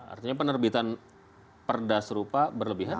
artinya penerbitan perda serupa berlebihan